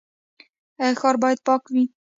ښار باید پاک وي